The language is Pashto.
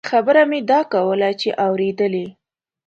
خبره مې دا کوله چې اورېدلې.